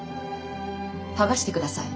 剥がしてください。